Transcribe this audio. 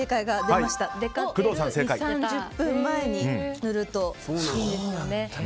出かける２０３０分前に塗るといいんですよね。